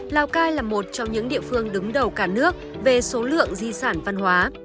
lào cai là một trong những địa phương đứng đầu cả nước về số lượng di sản văn hóa